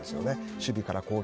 守備から攻撃。